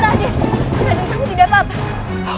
tidak ada orang di terhadap